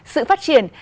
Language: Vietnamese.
sự phát triển